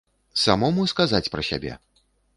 Самому сказаць пра сябе?